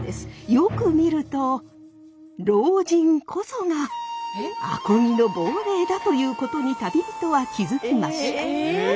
よく見ると老人こそが阿漕の亡霊だということに旅人は気付きました。